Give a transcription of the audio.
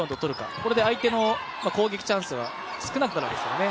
そこで相手の攻撃チャンスが少なくなるわけですからね。